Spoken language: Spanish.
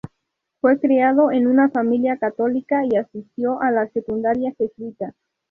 Fue criado en una familia católica, y asistió a la Secundaria Jesuita.